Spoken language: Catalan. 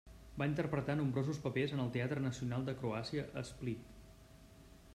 Va interpretar nombrosos papers en el Teatre Nacional de Croàcia a Split.